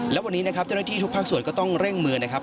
และวันนี้นะครับเจ้าหน้าที่ทุกภาคส่วนก็ต้องเร่งมือนะครับ